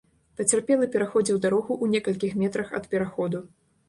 Пацярпелы пераходзіў дарогу ў некалькіх метрах ад пераходу.